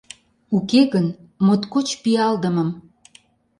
Уке гын, моткоч пиалдымым